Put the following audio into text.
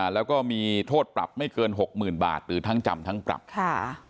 แล้วก็มีโทษปรับไม่เกินหกหมื่นบาทหรือทั้งจำทั้งปรับค่ะ